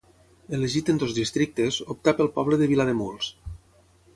Elegit en dos districtes, optà pel poble de Vilademuls.